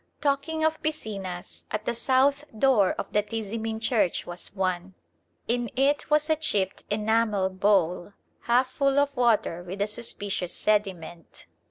Talking of piscinas, at the south door of the Tizimin church was one. In it was a chipped enamel bowl, half full of water with a suspicious sediment.